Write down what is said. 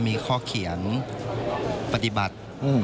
มีข้อเขียนปฏิบัติ